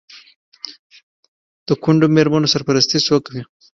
د کونډو میرمنو سرپرستي څوک کوي؟